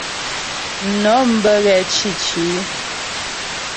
Mnɔm bə́ ghɛ̂ cǐci.